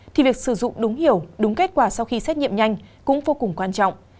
thì việc sử dụng đúng hiểu đúng kết quả sau khi xét nghiệm nhanh cũng vô cùng quan trọng